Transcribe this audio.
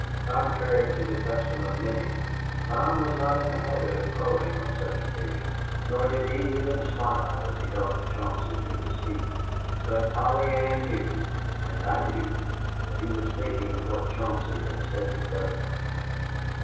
Contrary to the custom of many, Tom was not in the habit of crowing on such occasions, nor did he even smile as he helped Chauncey to his feet. But Polly Ann knew, and I knew, that he was thinking of what Chauncey had said to her.